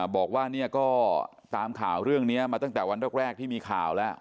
บอกว่าเนี่ยก็ตามข่าวเรื่องนี้มาตั้งแต่วันแรกที่มีข่าวแล้ว